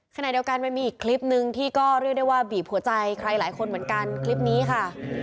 ขณะเดียวกันมันมีอีกคลิปนึงที่ก็เรียกได้ว่าบีบหัวใจใครหลายคนเหมือนกันคลิปนี้ค่ะ